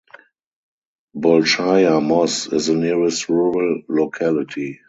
Bolshaya Mos is the nearest rural locality.